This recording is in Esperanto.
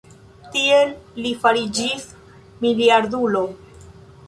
Tiel li fariĝis miliardulo.